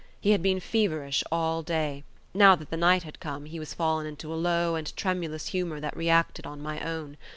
He had been feverish all day; now that the night had come he was fallen into a low and tremulous humour that reacted on my own.